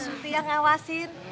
jadi surti yang ngawasin